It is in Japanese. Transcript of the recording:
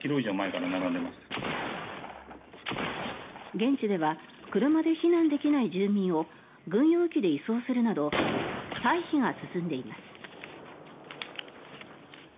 現地では車で避難できない住民を軍用機で移送するなど退避が進んでいます。